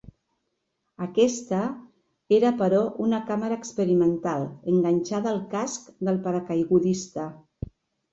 Aquesta era però una càmera experimental enganxada al casc del paracaigudista.